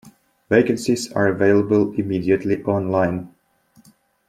Vacancies are available immediately online.